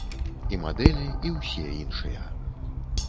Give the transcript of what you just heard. І мадэлі, і ўсе іншыя.